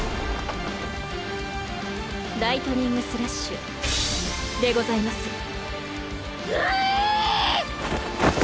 ライトニングスラッシュでございますええ！？